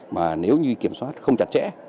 mà nếu như kiểm soát không chặt chẽ